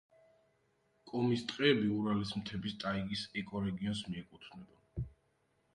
კომის ტყეები ურალის მთების ტაიგის ეკორეგიონს მიეკუთვნება.